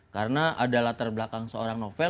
karena ada latar belakang seorang novel